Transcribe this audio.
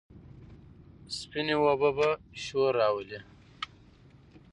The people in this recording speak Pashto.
سپينې اوبه به شور راولي،